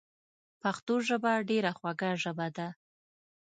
پښتو ژبه ډیره خوږه ژبه ده